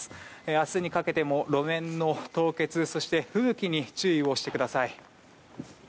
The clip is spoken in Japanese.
明日にかけても路面の凍結そして吹雪に注意をしてください。